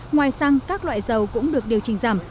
ngoài xăng các loại dầu cũng được điều chỉnh giảm